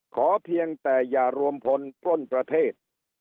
เพียงแต่อย่ารวมพลปล้นประเทศ